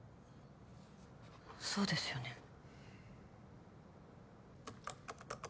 そうですよね。